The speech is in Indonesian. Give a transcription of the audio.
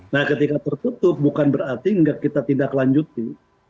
nah ketika tertutup bukan berarti kita tidak lanjuti